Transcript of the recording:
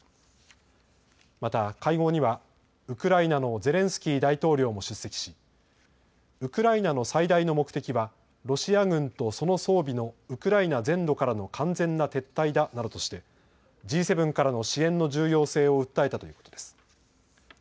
また会合にはウクライナのゼレンスキー大統領も出席しウクライナの最大の目的はロシア軍とその装備のウクライナ全土からの完全な撤退だなどとしてＧ７からの支援の重要性を訴えたということです。